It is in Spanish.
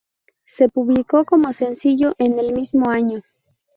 Se publicó como sencillo en el mismo año.